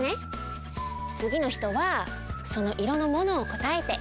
つぎの人はそのいろのものをこたえて。